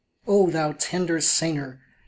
O thou tender singer !